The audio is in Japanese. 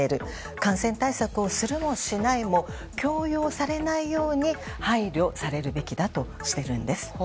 感染対策をするもしないも強要されないように配慮されるべきだとしているんです。